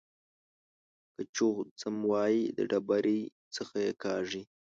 که چوخ ځم وايي د ډبرۍ څخه يې کاږي.